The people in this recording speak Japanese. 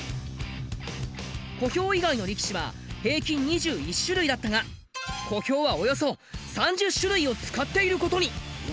小兵以外の力士は平均２１種類だったが小兵はおよそ３０種類を使っていることに。